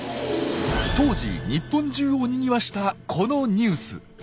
当時日本中をにぎわしたこのニュース。